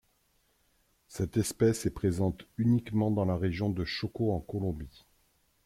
Cette espèce est présente uniquement dans la région de Choco en Colombie.